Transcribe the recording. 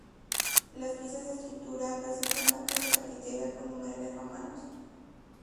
Las piezas de la estructura presentan marcas de carpintería con numerales romanos.